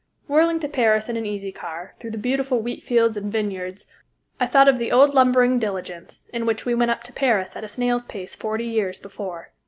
Whirling to Paris in an easy car, through the beautiful wheatfields and vineyards, I thought of the old lumbering diligence, in which we went up to Paris at a snail's pace forty years before.